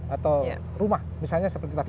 atau rumah misalnya seperti taksi